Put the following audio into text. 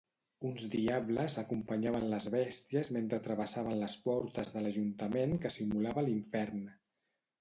Uns diables acompanyaven les bèsties mentre travessaven les portes de l'Ajuntament que simulava l'infern.